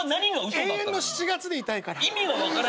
永遠の７月でいたいから。